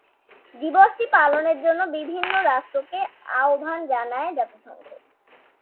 দিবসটি পালনের জন্য বিভিন্ন রাষ্ট্রকে আহ্বান জানায় জাতিসংঘ।